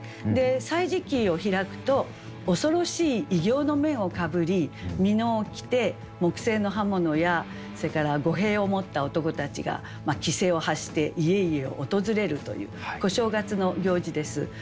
「歳時記」を開くと恐ろしい異形の面をかぶりみのを着て木製の刃物やそれから御幣を持った男たちが奇声を発して家々を訪れるという小正月の行事です。